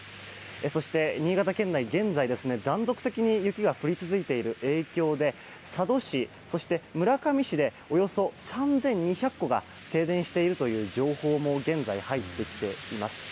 そして、新潟県内、現在断続的に雪が降り続いている影響で佐渡市、村上市でおよそ３２００戸が停電しているという情報も現在、入ってきています。